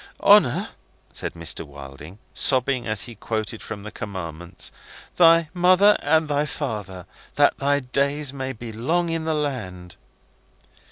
"'Honour,'" said Mr. Wilding, sobbing as he quoted from the Commandments, "'thy father and thy mother, that thy days may be long in the land.'